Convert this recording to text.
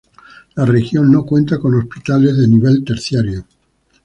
La región no cuenta con hospitales de nivel terciario.